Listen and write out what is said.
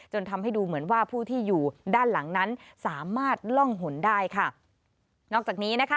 ทำให้ดูเหมือนว่าผู้ที่อยู่ด้านหลังนั้นสามารถล่องหนได้ค่ะนอกจากนี้นะคะ